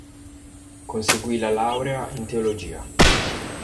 Conseguì la laurea in teologia.